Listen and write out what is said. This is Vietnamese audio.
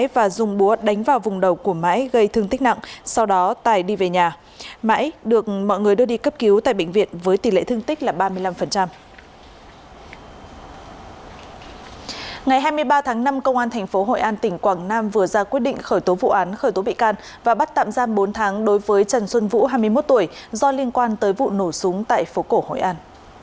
và bắt tạm giam bốn tháng đối với trần xuân vũ hai mươi một tuổi do liên quan tới vụ nổ súng tại phố cổ hội an